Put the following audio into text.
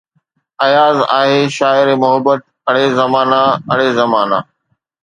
آياز آھي شاعرِ محبت، اڙي زمانا اڙي زمانا